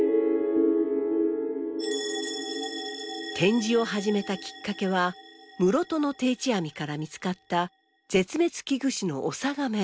展示を始めたきっかけは室戸の定置網から見つかった絶滅危惧種のオサガメ。